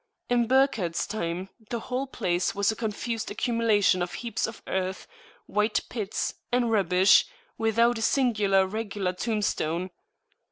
In Burckhardts time the whole place was a confused accumulation of heaps of earth, wide pits, and rubbish, without a singular regular tomb stone.